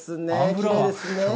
きれいですね。